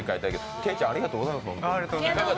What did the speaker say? けいちゃん、ありがとうございました。